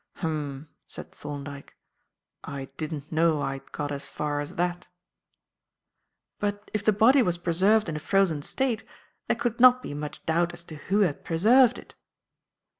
"Hum," said Thorndyke. "I didn't know I'd got as far as that." "But if the body was preserved in a frozen state, there could not be much doubt as to who had preserved it."